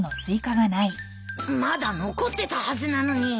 まだ残ってたはずなのに。